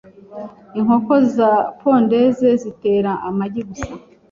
inkoko za pondeze zitera amagi gusa